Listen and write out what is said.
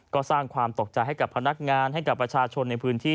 ก็สร้างความตกใจให้กับพนักงานให้กับประชาชนในพื้นที่